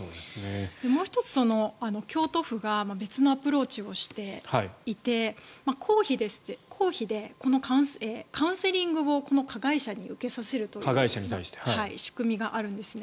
もう１つ、京都府が別のアプローチをしていて公費でカウンセリングを加害者に受けさせるという仕組みがあるんですね。